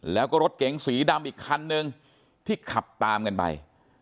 แล้วก็รถเก๋งสีดำอีกคันนึงที่ขับตามกันไป